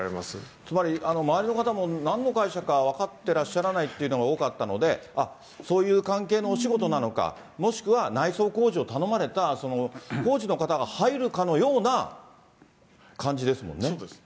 つまり、周りの方もなんの会社か分かってらっしゃらないというのが多かったので、あっ、そういう関係のお仕事なのか、もしくは内装工事を頼まれたその工事の方が入るかのような感じでそうです。